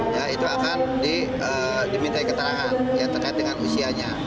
ya itu akan diminta keterangan yang terkait dengan usianya